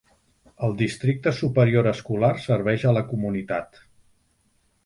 El Districte Superior Escolar serveix a la comunitat.